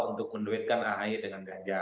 untuk menduitkan ahy dengan ganjar